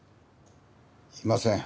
いません。